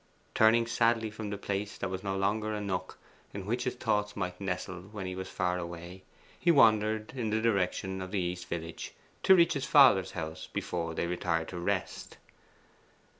Turning sadly from the place that was no longer a nook in which his thoughts might nestle when he was far away, he wandered in the direction of the east village, to reach his father's house before they retired to rest.